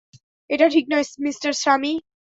এটা ঠিক নয়, মিস্টার স্বামী।